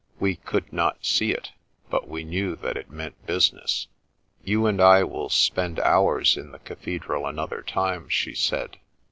We could not see it, but we knew that it meant business. " You and I will spend hours in the cathedral another time," she said.